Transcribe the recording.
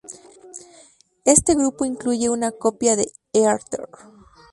Este grupo incluye una copia de Heather.